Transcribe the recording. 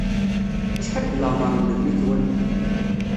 Acḥal deg leɛmeṛ n memmi-twen?